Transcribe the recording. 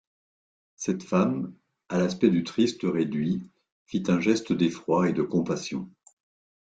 Cette femme, à l'aspect du triste réduit, fit un geste d'effroi et de compassion.